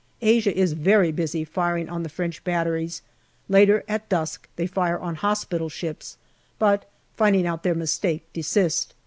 Asia is very busy firing on the French batteries ; later, at dusk, they fire on hospital ships, but finding out their mistake, desist.